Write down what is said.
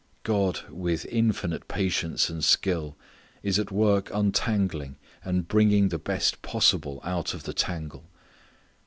God with infinite patience and skill is at work untangling and bringing the best possible out of the tangle.